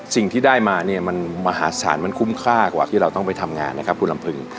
สิ่งที่ได้มาเนี่ยมันมหาศาลมันคุ้มค่ากว่าที่เราต้องไปทำงานนะครับคุณลำพึง